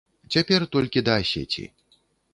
Цяпер толькі да асеці.